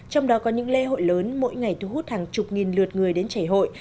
trong đó có những lễ hội lớn mỗi ngày thu hút hàng chục nghìn lượt người đến chảy hội